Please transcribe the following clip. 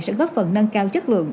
sẽ góp phần nâng cao chất lượng